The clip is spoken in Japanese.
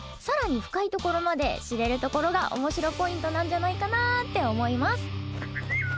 さらに深いところまで知れるところがおもしろポイントなんじゃないかなって思います。